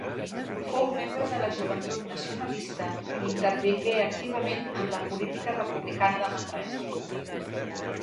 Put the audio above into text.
Fou membre de la Joventut Nacionalista i intervingué activament en la política republicana de Manresa.